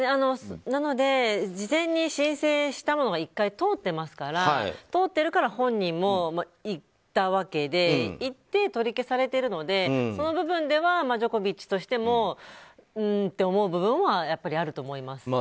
なので、事前に申請したものが１回通ってますから通っているから本人も行ったわけで行って、取り消されているのでジョコビッチとしてもうーんって思う部分はやっぱりあると思います。